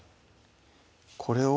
これを？